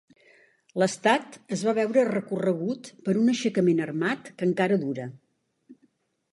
L'estat es va veure recorregut per un aixecament armat que encara dura.